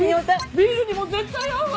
ビールにも絶対合うわ。